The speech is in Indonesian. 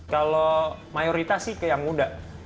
kalau mayoritas sih ke yang muda